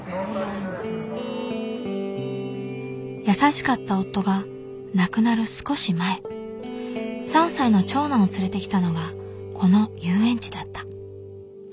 優しかった夫が亡くなる少し前３歳の長男を連れてきたのがこの遊園地だった。